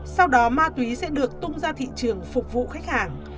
sau đó ma túy sẽ được tung ra thị trường phục vụ khách hàng